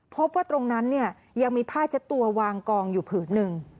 พบว่าตรงนั้นเนี่ยยังมีผ้าเช็ดตัววางกองอยู่ผืนหนึ่ง